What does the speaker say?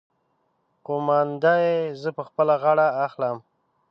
قومانده يې زه په خپله غاړه اخلم.